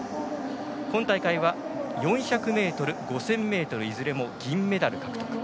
今大会は４００ｍ、５０００ｍいずれも銀メダル獲得。